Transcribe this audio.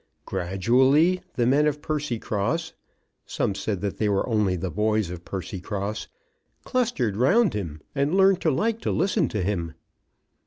Gradually the men of Percycross, some said that they were only the boys of Percycross, clustered round him, and learned to like to listen to him.